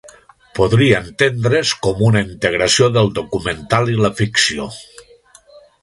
Podria entendre's com una integració del documental i la ficció.